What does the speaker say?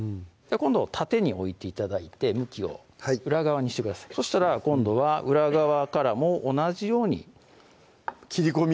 今度縦に置いて頂いて向きを裏側にしてくださいそしたら今度は裏側からも同じように切り込み？